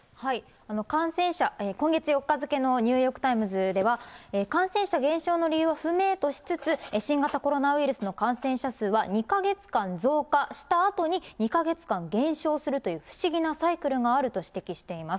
感染者、今月４日付のニューヨーク・タイムズでは、感染者減少の理由は不明としつつ、新型コロナウイルスの感染者数は２か月間増加したあとに、２か月間減少するという、不思議なサイクルがあると指摘しています。